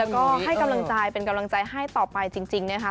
แล้วก็ให้กำลังใจเป็นกำลังใจให้ต่อไปจริงนะคะ